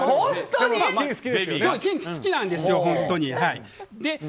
金好きなんですよ、本当に。